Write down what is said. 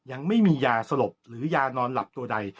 ยังไม่มียาสลบหรือยานอนหลับตัวใด